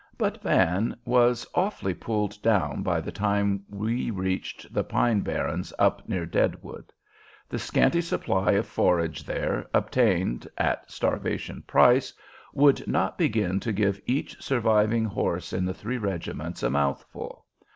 But Van was awfully pulled down by the time we reached the pine barrens up near Deadwood. The scanty supply of forage there obtained (at starvation price) would not begin to give each surviving horse in the three regiments a mouthful.